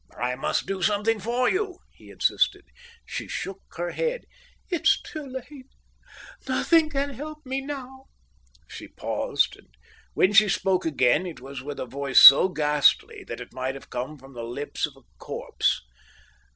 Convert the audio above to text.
"I must do something for you," he insisted. She shook her head. "It's too late. Nothing can help me now." She paused; and when she spoke again it was with a voice so ghastly that it might have come from the lips of a corpse.